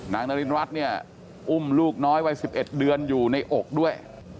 นารินรัฐเนี่ยอุ้มลูกน้อยวัย๑๑เดือนอยู่ในอกด้วย